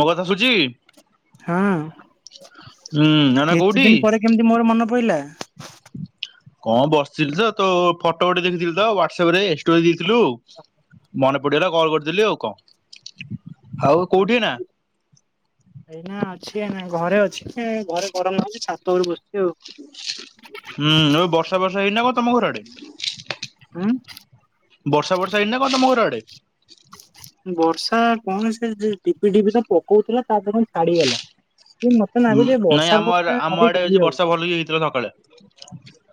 ମୋ କଥା ଶୁବୁଛି? ହଁ କେତେ ଦିନ ପରେ କେମିତି ମୋର ମନ ପଡିଲା? କଣ ବସିଥିଲି ତ ତୋ ଫଟୋ ଗୋଟେ ଦେଖିଥିଲି ତ ହ୍ୱାଟସପ୍ ରେ ଷ୍ଟୋରୀ ଦେଇଥିଲୁ। ମନେ ପଡିଗଲା କଲ୍ କରିଦେଲି ଆଉ କଣ। ଆଉ କୋଉଠି ଏଇନା? ଏଇନା ଅଛି ଏଇନା ଘରେ ଅଛି ଏ ଘରେ ଗରମ ଲାଗୁଛି ଛାତ ଉପରୁ ବ ହୁଁ ଆଉ ବର୍ଷା ବର୍ଷା ହେଇନି ନା କଣ ତମ ଘର ଆଡେ? ବର୍ଷା ବର୍ଷା ହେଇନି ନା କଣ ତମ ଘର ଆଡେ? ବର୍ଷା କଣ ସେ ଯେ ଡିବି ଡିବି ତ ପକଉଥିଲା ତା ପରେ ଛାଡିଗଲା କି ମତେ ଲାଗୁଛି ଯେ ବର୍ଷା ବର୍ଷା ଭାରି ଡେରିକି ରହିବ। ଭଲକି ହେଇଥିଲା ସକାଳେ।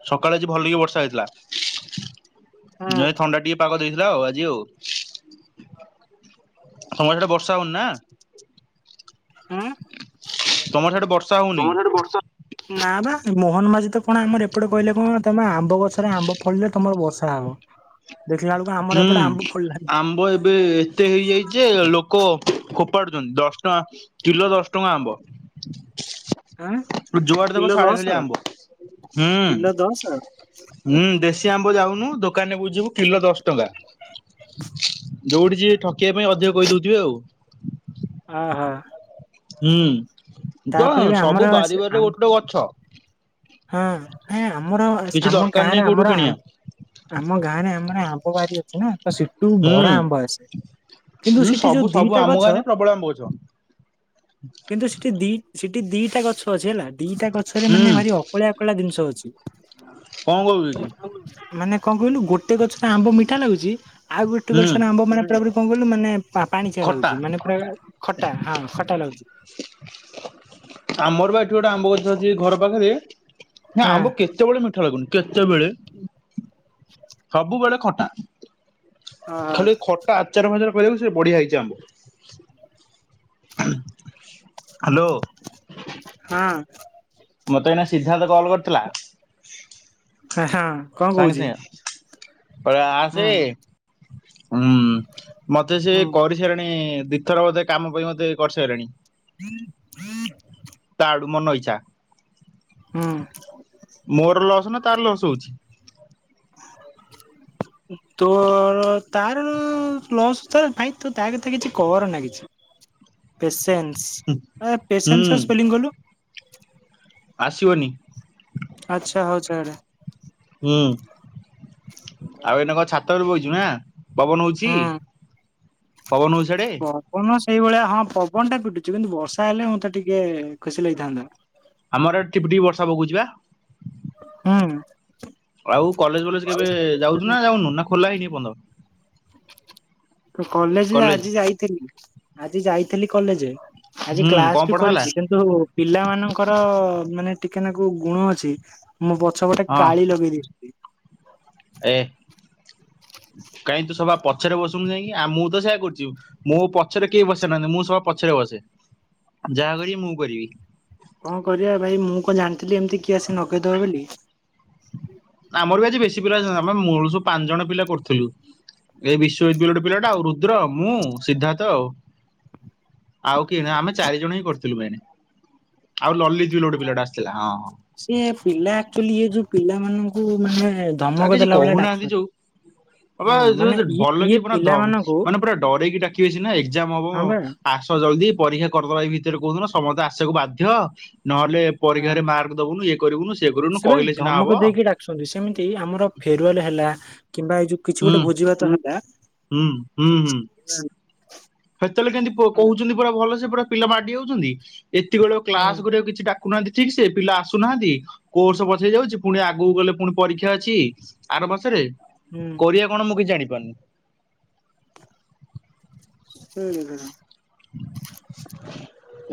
ସକାଳେ ଆଜି ଭଲ କିି ବର୍ଷା ହେଇଥିଲା। ନାଇ ଥଣ୍ଡା ଟିକେ ପାଗ ଦେଇଥିଲା ଆଉ ଆଜି ଆଉ। ତମ ସିଆଡେ ବର୍ଷା ହଉନି ନା। ତମର ସେଇଆଡେ ବର୍ଷା ନା ବା ମୋହନ ମାଝି ତ କଣ ଆମର ଏପଟେ କହିଲେ କଣ ତମେ ଆ ମ୍ବ ଗଛରେ ଆମ୍ବ ଫଳିଲେ ତମର ବର୍ଷା ହବ। ହୁଁ ଆମ୍ବ ଏବେ ଏତେ ହେଇଯାଇଛି ଯେ ଲୋକ ଫୋପାଡୁଛନ୍ତି ଦଶ ଟଙ୍କା କିଲୋ ଦଶ ଟଙ୍କା ଆମ୍ବ। ଯୁଆଡେ ଦେଖ ସାଢେ ଖାଲି ଆମ୍ବ ହୁଁ। ହୁଁ ଦେଶୀ ଆମ୍ବ ଯାଉନୁ ଦୋକାନରେ ବୁଝିବୁ କିଲୋ ଦଶ ଟଙ୍କା ଯୋଉଠି ଯିବେ ଠକିବା ପାଇଁ ଅଧିକ କହି ଦଉଥିବେ ଆଉ। ଆ ହା। ହୁଁ ତ ସବୁ ବାରି ବାରିରେ ଗୋଟେ ଗୋଟେ ଗଛ। ହଁ ନାଇ ଆମର ଆସ୍ ଆମ ଗାଁରେ ଆମର ଆମ୍ ଆମ ଗାଁରେ ଆମର ଆ ଆମ୍ବ ବାରି ଅଛି ନା ତ ସେଠୁ ଭରା ଆମ୍ବ ଆସେ। ହୁଁ ସବୁ ସବୁ ଆମ ଗାଁରେ ପ୍ରବଳ ଆମ୍ୱ ଗଛ। କିନ୍ତୁ ସେଠି ଦି ସେଠି ଦିଟା ଗଛ ଅଛି ହେଲା ଦିଟା ଗଛରେ ମାନେ ଭାରି ଅ ଅଳିଆ କଳିଆ ଜିନିଷ ଅଛି। ମାନେ କଣ କହିଲୁ ଗୋଟେ ଗଛର ଆମ୍ବ ମିଠା ଲାଗୁଛି ଆଉ ଗୋଟେ ଗଛର ଆମ୍ବ ମାନେ ପୁରାପୁରି କଣ କହିଲୁ ମାନେ ପାଣିଚିଆ ଲାଗୁଛି ମାନେ କଣ ଖଟା ହଁ ଖଟା ଲାଗୁଛି। ଆମ ର ବା ଏଠି ଗୋଟେ ଆମ୍ବ ଗଛ ଅଛି ଘର ପାଖରେ ନା ଆମ୍ବ କେତେବେଳେ ମିଠା ଲାଗୁନି କେତେବେଳେ। ସବୁବେଳେ ଖଟା ଖାଲି ଏ ଖଟା ଆଚାର ଫାଚାର କରିବାକୁ ସିଏ ବଢିଆ ହେଇଛି ଆମ୍ବ। ହ୍ୟାଲୋ। ହଁ। ମୋତେ ଏଇନା ସିଦ୍ଧାର୍ଥ କଲ୍ କରିଥିଲା। ହ ହଁ। ସାଙ୍ଗେ ସାଙ୍ଗେ ଆସେ ହୁଁ ମତେ ସିଏ କରି ସାରିଲାଣି ଦିଇ ଥର ବୋଧେ କାମ ପାଇଁ ମତେ କରିସାରିଲାଣି। ତାଆଡୁ ମନ ଇଛା। ହୁଁ। ମୋର ଲସ୍ ନା ତାର ଲସ୍ ହଉଛି। [inaudible] ତୋ ତାର ଲସ୍ ତ ଭାଇ ତ ତା କଥା କିଛି କର ନା କିଛି। ପେସେନ୍ସ ସ୍ପେଲିଂ କଲୁ। ଆସିବନି। ଆଚ୍ଛା ହୋଉ ଛାଡେ। ହୁଁ ଆଉ ଏଇନା କଣ ଛାତ ବଇଚୁନା? ପବନ ହୋଉଛି ପବନ ହୋଉଛି ସିଆଡେ। ହମ ସେଇଭଳିଆ ହଁ ପବନ ଟା ପିଟୁଛିୁ କିନ୍ତୁ ବର୍ଷା ହେଲେ ମୁଁ ତ ଟିକେ ଖୁସି ଲାଗିଥାନ୍ତା। ଆମର ଏଠି ଟିପି ଟିପି ବର୍ଷା ପକଉଛି ବା। ହୁଁ। ଆଉ କଲେଜ ଫଲେଜ କେବେ ଯାଉଛୁ ନା ଯାଉନୁ ନା ଖୋଲା ହେଇନି ଏପର୍ଯ୍ୟନ୍ତ। କଲେଜ ଆଜି ଯାଇଥିଲି ଆଜି ଯାଇଥିଲି କଲେଜ। ଆଜି କ୍ଲାସ ବି କରିଛି। କିନ୍ତୁ ପିଲା ମାନଙ୍କର ମାନେ ଟିକେ ନା କୋଉ ଗୁଣ ଅଛି। ମୁଁ ପଛପଟେ କାଳି ଲଗେଇଦିିଏ। ଏ କାହିଁ ତୁ ସବା ପଛରେ ବସୁନୁ ଯାଇଁକି ଆ ମୁଁ ତ ସେଇୟା କରୁଛି। ମୋ ପଛରେ କେହି ବସେ ନାହାନ୍ତି ମୁଁ ସବୁ ପଛରେ ବସେ ଯାହା କରବି ମୁଁ କରିବି। କଣ କରିବା ଭାଇ ମୁଁ କଣ ଜାଣିଥିଲି ଏମିତି କିଏ ଆସି ନଗେଇଦବ ବୋଲି। ଆମର ବି ଆଜି ବେଶୀ ପିଲା ଅ ଆମେ ମୂଳ ସବ ପାଞ୍ଚ ଜଣ ପିଲା କରୁଥିଲୁ। ଏଇ ବିଶ୍ୱବିଦ୍ୟାଳୟ ପିଲା ଟା ଆଉ ରୁଦ୍ର ମୁଁ ସିଦ୍ଧାର୍ଥ ଆଉ। ଆଉ କିଏ ନୁହେ ଆମେ ଚାରି ଜଣ ହିଁ କରିଥିଲୁ। ଆଉ ଲଲିତ ବୋଲି ଗୋଟେ ପିଲାଟେ ଆସିଥିଲା ହଁ ହଁ। ସେ ପିଲା ଆଚୁଆଲି ଇ ଯୋଉ ପିଲା ମାନଙ୍କୁ ମାନେ ଧମକ ଦେଲା ଭଳିଆ ଡାକୁଛନ୍ତି। ଏବେ ଏଇ ଭଲ କି ପୁରା ମାନେ ପୁରା ଡରଇକି ଡାକିବେ ସିନା ଏକ୍ଜାମ ହବ। ଆସ ଜଲ୍ଦି ପରୀକ୍ଷା କରିଦେବା ଏ ଭିତରେ କୋଉଦିନ ସମସ୍ତେ ଆସିବାକୁ ବାଧ୍ୟ ନହେଲେ। ପରୀକ୍ଷାରେ ମାର୍କ ଦବୁ ଏ କରିବୁନୁ ସେ କରିବୁ କହିଲେ ସିନା ହବ। କିନ୍ତୁ ସେମିତି ଆମର ଫେରୱାଲ ହେଲା କିମ୍ବା ଏଇ ଯୋଉ କିଛି ଗୋଟେ ଭୋଜି ଭାତ ହେଲା। ହୁଁ ହୁଁ ହୁଁ। ସେତେବେଳେ କେମତି କହୁଛନ୍ତି ପୁରା ଭଲ ସେ ପୁରା ପିଲା ମାଡି ଯାଉଛନ୍ତି। ଏତକ ବଳେ କ୍ଲାସ କରିବାକୁ କିଛି ଶଖୁନାହାନ୍ତି ଠିକ୍ ସେ ପିଲା ଆସୁନାହାନ୍ତି କୋର୍ସ ପଛେଇ ଯାଉଛି ପୁଣି ଆଗକୁ ଗଲେ ପୁଣି ପରୀକ୍ଷା ଅଛି। ଆର ବର୍ଷ ରେ। ହୁଁ। କରିବା କଣ ମୁଁ କିଛି ଜାଣିପାରୁନି। ହୁଁ।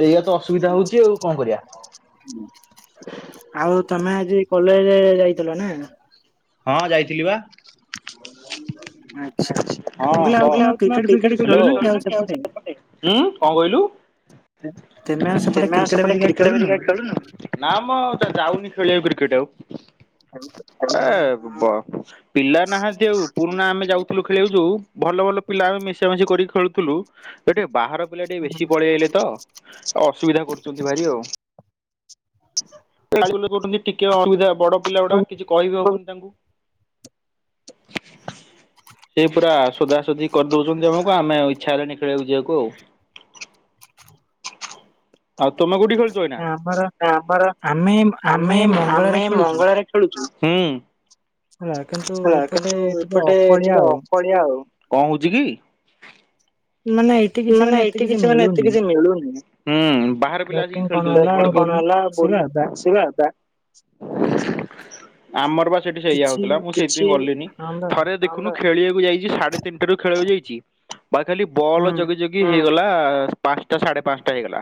ଏଇଆ ତ ଅସୁବିଧା ହଉଛି ଆଉ କଣ କରିବା। ଆଉ ତମେ ଆଜି କଲେଜ ଯାଇଥିଲ ନା? ହଁ ଯାଇଥିଲି ବା। ହଁ କହ ହେଲୋ। ହୁଁ କଣ କହିଲୁ ତମେ ସେପଟେ କ୍ରିକେଟ୍ରେଟ ଖେଳୁନୁ। ନା ମ ଯାଉନି ଖେଳିବାକୁ କ୍ରିକେଟ ଆଉ। ହଁ ହଁ। ପିଲା ନାହାନ୍ତି ଆଉ ପୁରୁଣା ଆମେ ଯାଉଥିଲୁ ଖେଳିବାକୁ ଯୋଉ ଭଲ ଭଲ ପିଲା ଆମେ ମିଶାମ ମିଶି କରିକି ଖେଳୁଥିଲୁ ଗୋଟେ ବାହାର ପିଲେ ଟିକେ ବେଶୀ ପଳେଇ ଆଲେ ତ। ଆଉ ଅସୁବିଧା କରୁଛନ୍ତି ଭାରି ଆଉ। କୋଉଛନ୍ତି ଟିକେ ଅସୁବିଧା ବଡ ପିଲା ଗୁଡା କିଛି କହି ହୋଉନି ତାଙ୍କୁ। ସେଇ ପୁରା ଷୋଡ଼ଶୀଦି କରିଦଉଛନ୍ତି ଆମକୁ ଆମେ ଇଚ୍ଛା ହେଲେଣି ଖେଳିବାକୁ ଯିବାକୁ ଆଉ। ଆଉ ତମେ କୋଉଠି ଖେଳଛ ଏଇନା ଆମର ଆମେ ଆମେ ମଙ୍ଗଳରେ ଖେଳୁଛୁ ହେଲା କିନ୍ତୁ ଏପଟେ ଟିକେ ଅକଳିଆ ଆଉ। କଣ ହୋଉଛି କି ମାନେ ଏଠି କିଛି ମାନେ ଏତେ କିଛି ମିଳୁନି। ହୁଁ ବାହାର ପିଲା ଆସିକି ଖେଳ କଣ କଣ ହେଲା ବୋଲ। ଆସିବା। ଆମର ବା ସେଠି ସେଇଆ ହଉଥିଲା ମୁଁ ସେଠି ଗଲିନି ଥରେ ଦେଖୁନୁ ଖେଳିବାକୁ ଯାଇଛି ସାଢେ ତନିଟା ରୁ ଖେଳିବାକୁ ଯାଇଚି ବା ଖାଲି ବଲ ଜଗି ଜଗି କି ହେଇଗଲା ପାଞ୍ଚଟା ସାଢେ ପାଞ୍ଚ ହେଇଗଲା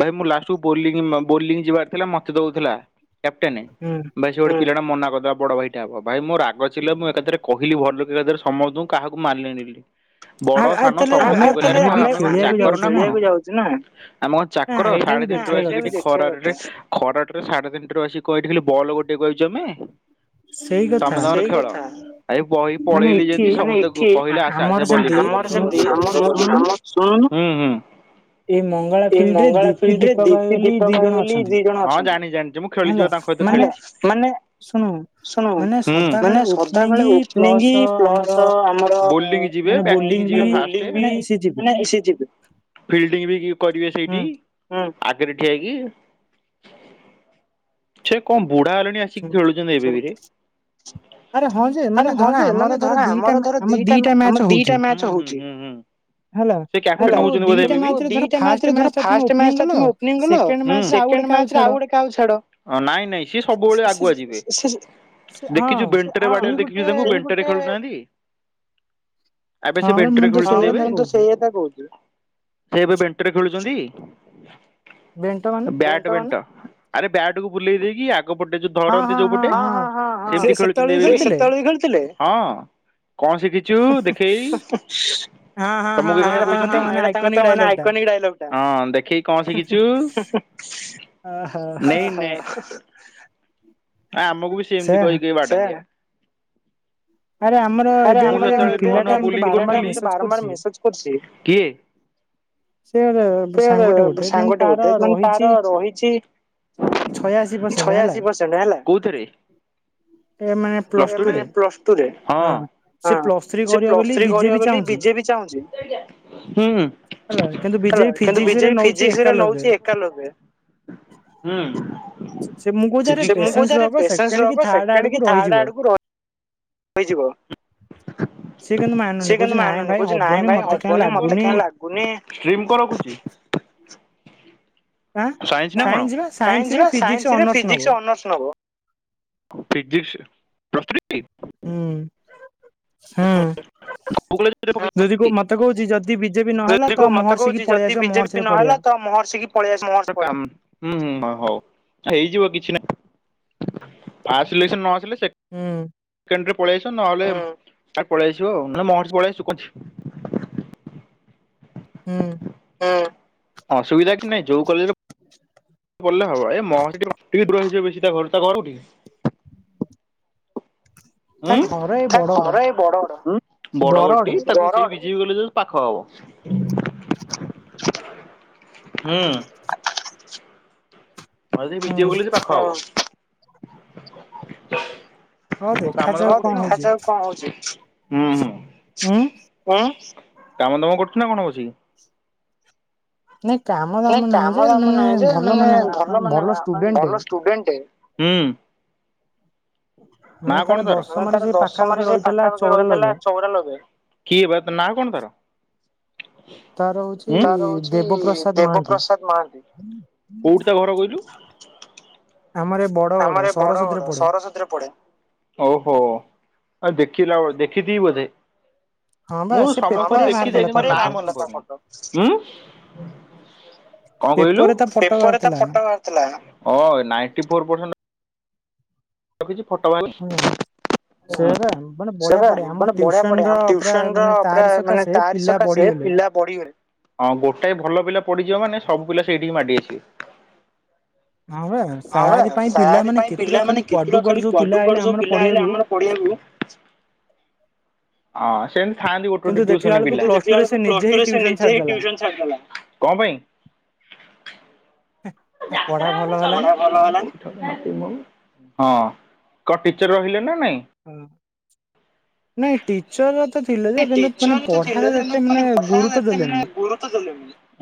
ଭାଇ ମୁଁ ଲାଷ୍ଟ କୁ ବୋଲିଙ୍ଗ ମ ବୋଲିଙ୍ଗ ଯିବାର ଥିଲା ମତେ ଦଉଥିଲା କ୍ୟାପଟେନ୍ ବାଇ ସେ ଗଟେ ପିଲାଟା ମନା କରିଦେଲା ବଡ ଭାଇଟା ହବ ଭାଇ ମୋ ରାଗ ଚିଡିଲା ମୁଁ ଏକାଥ କିହିଲି ଭଲୋକି ଏକାଥରେ ସମସ୍ତଙ୍କୁ କାହାକୁ ମାରିଲେଣି ବଡ ସାନ ସମସ୍ତଙ୍କୁ ଆମେ କଣ ଚାକର ନାଁ କଣ? ନାଁ ଆମେ କଣ ଚାକର ସାଢେ ତିନିଟା ଆସି ଏଟି ଖରାରେ ଖରାଟାରେ ସାଢେ ତିନିଟାରୁ ଆସି କ ଏଠି ଖାଲି ବଲ ଗୋଟେଇବାକୁ ଆଇଚୁ ଆମେ। ସେଇ କଥା। ଆ ଏ ବହି ପଳେଇଲି ଯେମିତି ସମସ୍ତେ କହିଲେ ଆସେ ଆସେ ବୋଲିଙ୍ଗ କର ବୋଲିଙ୍ଗ କର [unintelligible] ଶୁଣୁନୁ ହୁଁ ହୁଁ। ଏ ନାଇଁ ଏଇ ମଙ୍ଗଳା ଫିଇଡି ରେ ଦୀପି ଦୀପା ଭାଇ ବୋଲି ଦି ଜଣ ଅଛନ୍ତି ହଁ ଜାଣିଛି ଜଣିଛି ମୁଁ ଖେଳିଯିବା ତାଙ୍କ ସହିତ ଖେଳିକି ମାନେ ଶୁଣୁ ହୁଁ ମାନେ ସଦାବେଳେ ଓପନିଙ୍ଗି ପ୍ଲସ ଆମର ବୋଲିଙ୍ଗି ଯିବେ ବ୍ୟାଟିଙ୍ଗ ଯିବେ ଫାଷ୍ଟେ ବୁଲିଙ୍ଗି ନାଇଁ ସେଏ ଯିବେ ଫିଲ୍ ଡିଙ୍ଗି ବି କରିବେ ସେଇଟି। ହଁ ଆଗରେ ଠିଆ ହେଇକି ସେ କଣ ବୁଢା ହେଲେଣି ଆସିକି ଖେଳୁଛ [unintelligible] ଆରେ ହଁ ଯେ ମାନେ ଧର ଆମର ଧର ଦିଟା ମ୍ୟା ଆମ ଦିଟା ମ୍ୟାଚ ହଉଛି ହୁଁ ହୁଁ ହୁଁ। ସେ କ୍ୟାପଟେନ୍ ହଉଛନ୍ତି ବୋଧ ଏବେବି କିନ୍ତୁ ଦିଟ ଗୋଟେ ମ୍ୟାଚ୍ ଧର ଫାଷ୍ଟ ମ୍ୟାଚ୍ ଟା ତମେ ଓପନିଙ୍ଗି କଲ ହୁଁ ସେକେଣ୍ଡ ମ୍ୟାଚ୍ ରେ ଆଉ ଗୋଟେ କାହାକୁ ଛାଡ। ଅ ନାଇଁ ନାଇଁ ସିଏ ସବୁବେଳେ ଆଗୁଆ ଯିବେ ସି ସି ସେ ହଁ। [unintelligible] ରେ ବାଡେଇବା ଦେଖି ତାଙ୍କୁ ବେଣ୍ଟରେ ଖେଳୁ ନାହାଁନ୍ତି? ଆବେ ସେ ବେଣ୍ଟ ଖେଳୁଛନ୍ତି ଏବେ ହଁ ମୁଁ ସେଇ କଥା କହୁଚି ସିଏ ଏବେ ବେ ଖେଳୁଚନ୍ତି? ବେଣ୍ଟ ମାନେ? ବ୍ୟାଟ୍ ବେଣ୍ଟ ଆରେ ବ୍ୟାଟକୁୁ ବୁଲେଇ ଦେଇକି ଆ ଟେ ଯୋଉ ଧରନ୍ତି ଯୋଉ ପଟେ ହଁ ହଁ ହଁ ହଁ ସେମିତି ଖେଳୁଛନ୍ତି ଏବେ ବି? ଥିଲେ ହଁ କଣ ଶିଖି ଚୁ ଦେଖେଇ ତମକୁ ଏହିକଥା କହୁଛନ୍ତି ହଁ ହଁ ହଁ ଏଇଟା ତାଙ୍କର ମାନେ ଆଇ [unintelligible] ଡ଼ାଇଲକ୍ ଟା ହଁ ଦେଖେଇ କଣ ଶିକିଚୁ। ନେଇ ନେ ଆଁ ଆମକୁ ବି ସେମିତି କହି କହି [unintelligible] ଆରେ ଆମର [unintelligible] ପିଲା ଟା ବାରମ୍ବାର ମେସେଜ କରୁଚି କିଏ? ସେ [unintelligible] ସେ ଯୋ ସାଙ୍ଗଟେ ବୋଧେ ମାନେ ତାର ରହିଛି ଛୟାଅଶୀ ପରସେଣ୍ଟ ହେଲା କୋଉଥିରେ? ପ୍ଲସ ଟୁ ରେ ଇଏ ମାନେ ପ୍ଲସ ରେ ହଁ ହଁ ସେ ପ୍ଲସ ଥ୍ରୀ କରିବ ବୋଲି ପିଜେ ବି ଚାହୁଁଛି ହୁଁ ହେଲା କିନ୍ତୁ ବିଜେପି ଫିଜିକ୍ସ ରେ ନଉଚି ଏ ଏକାଲବେ ହୁଁ। ଫିଜିକ୍ସ ରେ ମୁଁ କହୁଛି ଆରେ ପେସେନ୍ସ ରଖ ସେକେଣ୍ଡ କି ଥାଡେ ଆଡକୁ ର ହୋଇଯିବ ସେ କିନ୍ତୁ ମାନୁନି କହୁଛି ନାଇଁ ଭାଇ ହବନି ମତେ କାଇଁ ଲା--‌ ଗୁନି ଷ୍ଟ୍ରିମ୍ କଣ ରଖୁଛି? ସାଇନ୍ସ ନା କଣ ସାଇନ୍ସ ବା ସାଇନ୍ସ ରେ ଫିଜିକ୍ସ ଅନର୍ସ ନବ। Physics plus three? ହୁଁ ହୁଁ। କଉ କଲେଜ୍ ରେ ପ ଦଦି କ ମତେ କହୁଛି ଯଦି ବିଜେପି ନହେଲା ତ ମହର୍ଷିକ ପଳିଆସିବ ମୋ ସେଇଭଳିଆ ହୁଁ ହୁଁ ହଉ ହେଇଯିବ କିଛି ନାହିଁ ଆ ଆସିଲେ ସେ ନ ଆସିଲେ ସେ ହୁଁ ପଳେଇ ନହେଲେ ପଳେଇିବ ମଳେଇ ହୁଁ ଅସୁବିଧା କି ନହିଁ ଯୋଉ କଲେଜ ପଲେ ହବ ଏଇ ମହା ସେ ଟିକେ ଦୂର ହେଇଯିବ ବେଶୀ ତା ଘର ତା ଘର ଟିକେ ହଁ ଘର ବଡେ ଗଲେ ପାଖ ହବ ହୁଁ [unintelligible] ବିଜେ ବୋଲି ପାଖ କାମ ଦେଖାଉ କଣ ହଉଛି ହୁଁ ହୁଁ ଓ କାମ ତାମ କରୁଛୁ ନା କଣ ଅଉଛି ନାଇଁ ନାଇଁ କାମ ଦାମ ନାହିଁ ଯେ ମାନେ ଭଲ ମାନେ ଭଲୁଡେଣ୍ଟ ନା କଣ ତର ଆମେ ତାର ଦଶ ମ ସେ ପାଖା ପାାଖି ରହିଥିଲା ଚଉରା ଲଗେଇ କିଏ ବା ନାଁ କଣ ତାରଛି ଦେବପ୍ରସାଦ ମହାନ୍ତି କୋଉଠି ତା ଘର କହିଲୁ ଆମର ଆମର ଏ ବଡ ବଡ ସରସ୍ୱତରେ ପଡେ ଓହୋ ଆ ଦେଖିିଲ ବଳ ଦେଖି ତ ବଧେ ମୁଁ ସମସ୍ତଙ୍କୁ ଦେଖିଛିି କଣ କହିଲ ରଖିଛି ଫଟୋ ମାନ ହ ସେ ମାନେ ବଢିଆ ପଢଆସନ ର ପୁରା ମାନେ ତାରି ସକାଶେ ପିଲା ହଁ ଗୋଟାଏ ଭଲ ପିଲା ପଢିଯିବ ମାନେ ସବୁ ପିଲା ସେଇଠିକି ମାଡି ଆସିବେ ହଁ ସାୀ ପାଇଁ ପିଲାମାନୋନେ କେତେଟା ଖଲି କଡୁ କଡୁ ସବୁ ପିଲା ହେଲେ ଆମର ହଁ ସେ ଖାଆନ୍ତି ଗୋଟେ ଗୋଟେସନ ପିଲା ସେ ବଳକୁ ପ ଟରେ ସେ ନିଜ ହୁସନ୍ଛାଡିଦଲା କଣ ପାଇଁ ଆ ପଢା ଭଲ ହେଲାନି ହଁ କ ଟିଚର ରହିଲେ ନା ନାଇଁ ହଁ ନାଇଁ ଟିଚର ତ ଥିଲେ ଯେ କିନ୍ତୁ ମାନେ ପଢା ଏତେ ମାନେ ଗୁରୁତ୍ୱ ଦେଲେନି।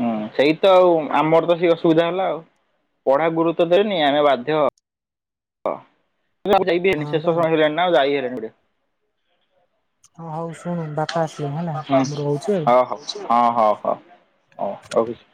ହୁଁ ସେଇ ତ ଆଉ ଆମର ତ ସେଇ ଅସୁବିଧା ହେଲା ଆଉ ପଢା ଗୁରୁତ୍ୱ ଦେଲେନି ଆମେ ବାଧ୍ୟ ମୁ ଯାଇ ହେନି ଶେଷ ସମୟ ହେଇଗଲାଣି ନା ଆଉ ଯାଇ ହେଲାଣିି ହେପଟେ। ହଁ ହଉ ଶୁଣୁ ବାପା ଆସିଲେ ହେଲା ମୁଁ ରହୁଛି ଆଉ। ହଁ ହଁ ହଁ ହଉ ରଖୁଛି।